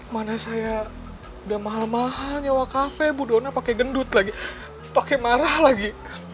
mana saya udah mahal mahal nyawa kafe budona pake gendut lagi pake marah lagi